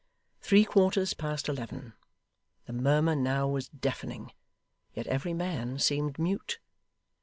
Three quarters past eleven! The murmur now was deafening, yet every man seemed mute.